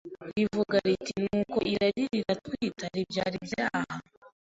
rivuga riti nuko iryo rari riratwita rikabyara ibyaha,